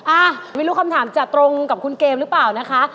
อ่ะไม่รู้คำถามจะตรงกับคุณเกมหรือเปล่านะคะ